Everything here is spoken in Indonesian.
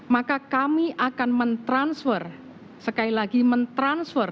maka kami akan men transfer sekali lagi men transfer